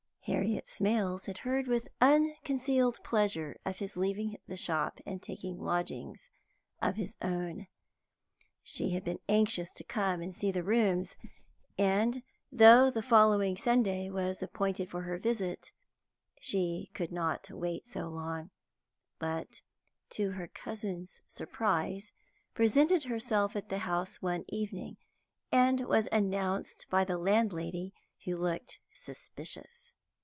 Harriet Smales had heard with unconcealed pleasure of his leaving the shop and taking lodgings of his own. She had been anxious to come and see the rooms, and, though the following Sunday was appointed for her visit, she could not wait so long, but, to her cousin's surprise, presented herself at the house one evening, and was announced by the landlady, who looked suspicious.